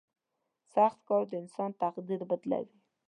• سخت کار د انسان تقدیر بدلوي.